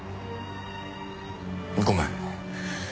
ごめん。